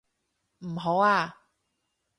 唔好啊！